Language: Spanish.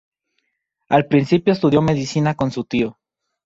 Al principio estudió medicina con su tío.